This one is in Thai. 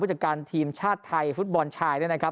จากการทีมชาติไทยฟุตบอลชายเนี่ยนะครับ